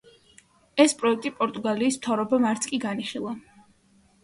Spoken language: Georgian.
ეს პროექტი პორტუგალიის მთავრობამ არც კი განიხილა.